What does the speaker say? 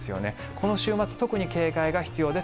この週末、特に警戒が必要です。